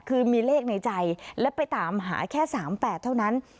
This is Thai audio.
คือมีเลขในใจและไปตามหาแค่๓๘เท่านั้น